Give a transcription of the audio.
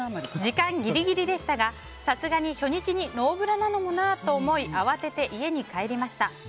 時間ギリギリでしたがさすがに初日にノーブラなのもなと思い慌てて家に帰りました。